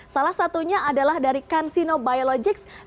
salah satunya adalah dari kansino biologics dari tiongkok